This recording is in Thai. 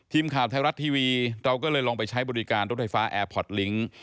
ทีมข่าวไทยรัฐทีวีเราก็เลยลองไปใช้บริการรถไฟฟ้าแอร์พอร์ตลิงค์